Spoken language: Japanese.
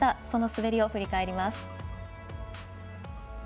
その滑りを振り返ります。